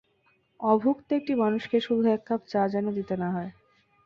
অভূক্ত একটি মানুষকে শুধু এক কাপ চা যেন দিতে না হয়।